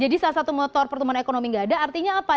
jadi salah satu motor pertumbuhan ekonomi gak ada artinya apa